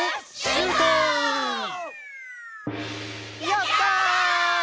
「やったー！！」